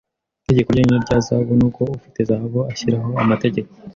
Itegeko ryonyine rya zahabu nuko ufite zahabu ashyiraho amategeko.